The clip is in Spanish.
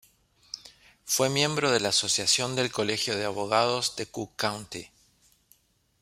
Fue miembro de la Asociación del Colegio de Abogados de Cook County.